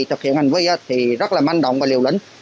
thực hiện hành vi thì rất là manh động và liều lĩnh